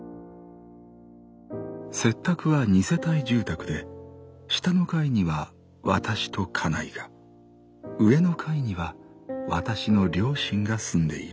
「拙宅は二世帯住宅で下の階にはわたしと家内が上の階にはわたしの両親が住んでいる。